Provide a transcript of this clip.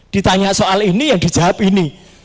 ditanya soal ini yang dijawab ini